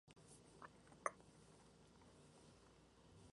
Es el único viento con nombre propio de las Islas Británicas.